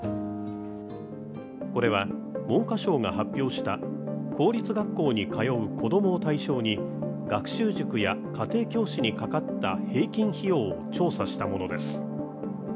これは、文科省が発表した公立学校に通う子供を対象に学習塾や家庭教師にかかった平均費用を調査したものです。